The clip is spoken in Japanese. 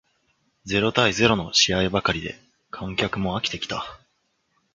ゼロ対ゼロの試合ばかりで観客も飽きてきた